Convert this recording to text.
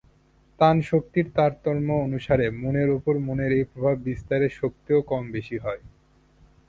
তানশক্তির তারতম্য অনুসারে মনের উপর মনের এই প্রভাব-বিস্তারের শক্তিও কম-বেশী হয়।